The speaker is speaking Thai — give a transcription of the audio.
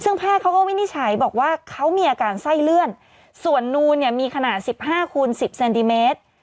ซึ่งแพทย์เขาก็วินิจฉัยบอกว่าเขามีอาการไส้เลื่อนส่วนนูนเนี่ยมีขนาด๑๕คูณ๑๐เซนติเมตร